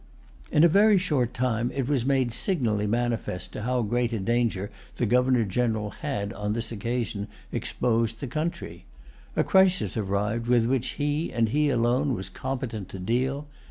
In a very short time it was made signally manifest to how great a danger the Governor General had, on this occasion, exposed his country. A crisis arrived with which he, and he alone, was competent to deal.